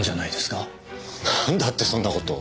なんだってそんな事を。